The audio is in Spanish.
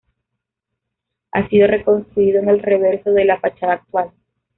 Ha sido reconstruido en el reverso de la fachada actual.